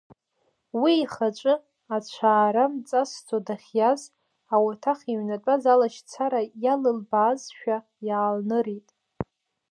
Уи ихаҿы, ацәаара мҵасӡо дахьиаз, ауаҭах иҩнатәаз алашьцара иалылбаазшәа, иаалнырит.